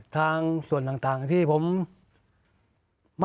ทางส่วนต่างที่ผม